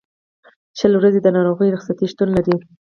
شل ورځې د ناروغۍ رخصتۍ شتون لري.